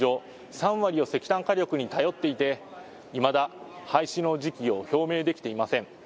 ３割を石炭火力に頼っていていまだ廃止の時期を表明できていません。